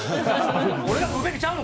俺が食うべきちゃうの？